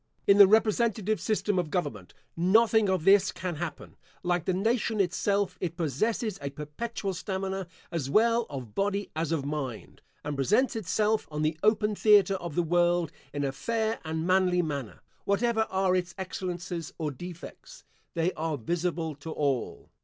In the representative system of government, nothing of this can happen. Like the nation itself, it possesses a perpetual stamina, as well of body as of mind, and presents itself on the open theatre of the world in a fair and manly manner. Whatever are its excellences or defects, they are visible to all.